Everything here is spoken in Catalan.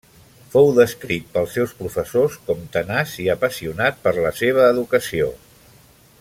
Fou descrit pels seus professors com tenaç i apassionat per la seva educació.